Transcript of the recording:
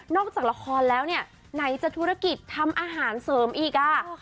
จากละครแล้วเนี่ยไหนจะธุรกิจทำอาหารเสริมอีกอ่ะ